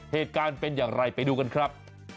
เหตุการณ์เป็นอย่างไรไปดูกันครับ